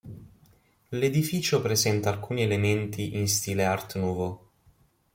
L'edificio presenta alcuni elementi in stile art nouveau.